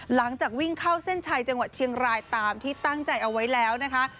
หลังจากวิ่งเข้าเส้นชัยจังหวัดเชียงรายตามที่ตั้งใจเอาไว้แล้วนะคะ